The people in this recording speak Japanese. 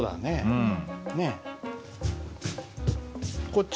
うん。